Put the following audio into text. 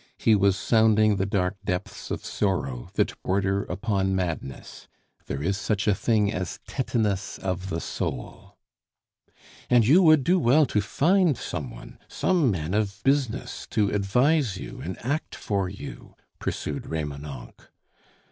He was sounding the dark depths of sorrow that border upon madness. There is such a thing as tetanus of the soul. "And you would do well to find some one some man of business to advise you and act for you," pursued Remonencq.